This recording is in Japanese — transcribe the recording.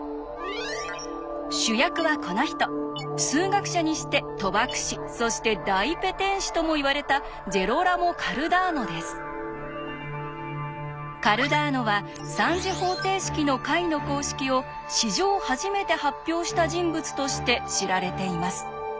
主役はこの人数学者にして賭博師そして大ペテン師ともいわれたカルダーノは３次方程式の解の公式を史上初めて発表した人物として知られています。